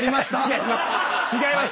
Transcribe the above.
違います。